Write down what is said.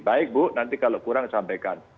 baik bu nanti kalau kurang sampaikan